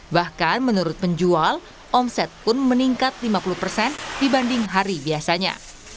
bahkan menurut penjual omset pun meningkat lima puluh persen dibanding hari biasanya